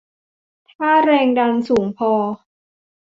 ถ้าแรงดันสูงพอ